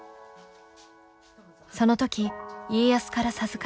その時家康から授かり